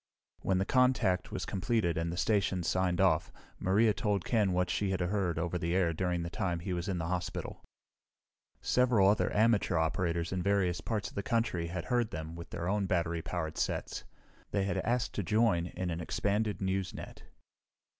When the contact was completed and the stations signed off, Maria told Ken what she had heard over the air during the time he was in the hospital. Several other amateur operators in various parts of the country had heard them with their own battery powered sets. They had asked to join in an expanded news net.